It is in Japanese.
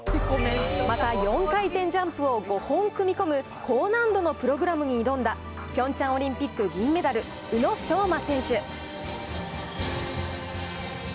また４回転ジャンプを５本組み込む高難度のプログラムに挑んだ、ピョンチャンオリンピック銀メダル、宇野昌磨選手。